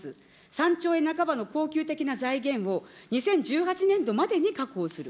３兆円半ばの恒久的な財源を、２０１８年度までに確保する。